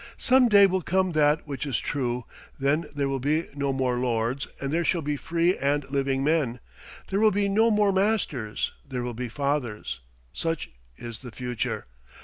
Some day will come that which is true. Then there will be no more lords, and there shall be free and living men. There will be no more masters; there will be fathers. Such is the future.